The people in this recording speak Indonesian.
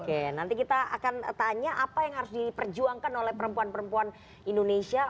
oke nanti kita akan tanya apa yang harus diperjuangkan oleh perempuan perempuan indonesia